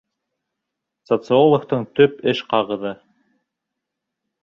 Социологтың төп эш ҡағыҙы.